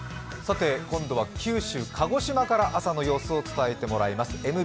今度は九州、鹿児島から朝の様子を伝えてもらいます。